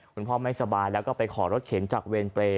คุณพ่อไม่สบายไปขอรถเข็มจากเวรเปรย์